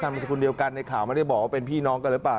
มสกุลเดียวกันในข่าวไม่ได้บอกว่าเป็นพี่น้องกันหรือเปล่า